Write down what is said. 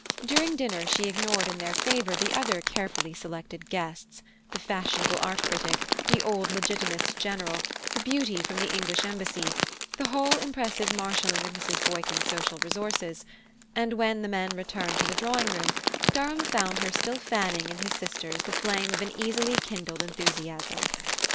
During dinner she ignored in their favour the other carefully selected guests the fashionable art critic, the old Legitimist general, the beauty from the English Embassy, the whole impressive marshalling of Mrs. Boykin's social resources and when the men returned to the drawing room, Durham found her still fanning in his sisters the flame of an easily kindled enthusiasm.